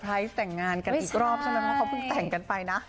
การแต่งงานกันอีกรอบเพราะว่าเขาเพิ่งแต่งกันไปนะ